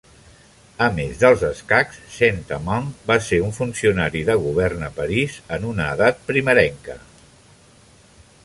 A més dels escacs, Saint-Amant va ser un funcionari de govern a París en una edat primerenca.